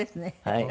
はい。